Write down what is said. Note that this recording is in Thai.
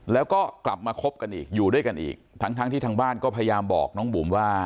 แล้วก็กลับมาคบกันอีกอยู่ด้วยกันอีกทั้งทั้งที่ทางบ้านก็พยายามบอกน้องบุ๋มว่า